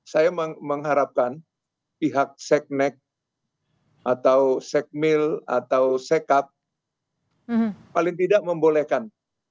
saya mengharapkan pihak seknek atau sekmil atau sekap paling tidak membolehkan